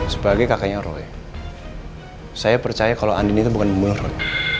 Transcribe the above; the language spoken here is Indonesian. sebagai kakaknya roy saya percaya kalau andini itu bukan pembunuh roy